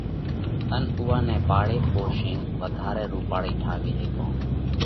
ان اُوئا نئہ پاۯي پوشينَ وڌارئہ رُوپاۯئي ٺاوي ھيڪوھ۔